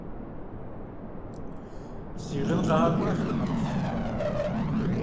Си гъын къагъэкӀуащ тхьэмыщкӀэхэм.